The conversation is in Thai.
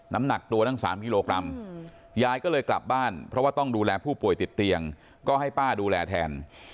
น้ำหนักตัวตั้ง๓กิโลกรัมยายก็เลยกลับบ้านเพราะว่าต้องดูแลผู้ป่วยติดเตียงก็ให้ป้าดูแลแทน